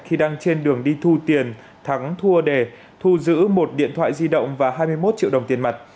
khi đang trên đường đi thu tiền thắng thua đề thu giữ một điện thoại di động và hai mươi một triệu đồng tiền mặt